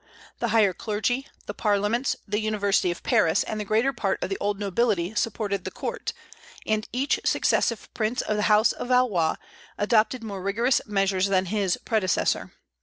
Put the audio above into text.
The higher clergy, the parliaments, the University of Paris, and the greater part of the old nobility supported the court, and each successive Prince of the house of Valois adopted more rigorous measures than his predecessor.